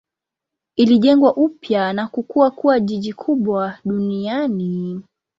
Ilijengwa upya na kukua kuwa jiji kubwa duniani.